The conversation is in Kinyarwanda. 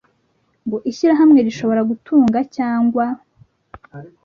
ishyirahamwe rishobora gutunga cyangwa